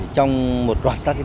trong một đoạn tắt này